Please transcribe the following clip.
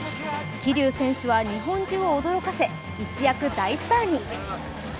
桐生選手は日本中を驚かせ、一躍大スターに。